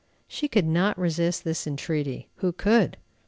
_" She could not resist this entreaty, (who could?)